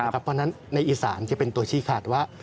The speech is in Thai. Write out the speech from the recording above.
เพราะฉะนั้นในอีสานจะเป็นตัวชี้ขาดว่า